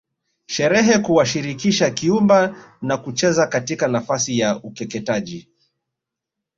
Sherehe kuwashirikisha kuimba na kucheza katika nafasi ya ukeketaji